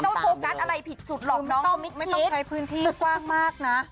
โฟกัสอะไรผิดจุดหรอกน้องไม่ต้องใช้พื้นที่กว้างมากนะ